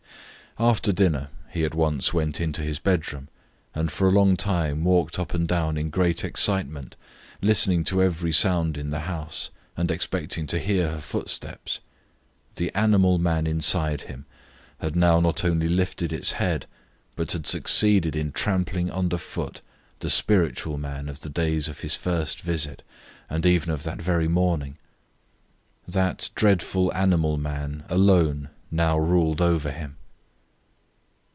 After dinner he at once went into his bedroom and for a long time walked up and down in great excitement, listening to every sound in the house and expecting to hear her steps. The animal man inside him had now not only lifted its head, but had succeeded in trampling under foot the spiritual man of the days of his first visit, and even of that every morning. That dreadful animal man alone now ruled over him.